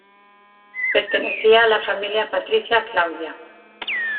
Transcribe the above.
Pertenecía a la familia patricia Claudia.